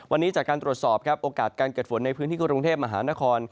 วันนี้จากการตรวจสอบครับโอกาสการเกิดฝนในพื้นที่กรุงเทพมหานคร